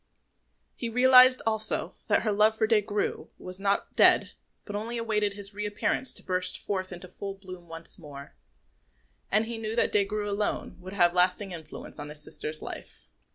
He realised, also, that her love for Des Grieux was not dead, but only awaited his reappearance to burst forth into full bloom once more; and he knew that Des Grieux alone would have lasting influence in his sister's life.